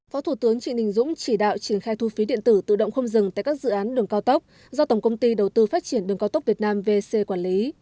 phó thủ tướng trịnh đình dũng chỉ đạo triển khai thu phí điện tử tự động không dừng tại các dự án đường cao tốc do tổng công ty đầu tư phát triển đường cao tốc việt nam vc quản lý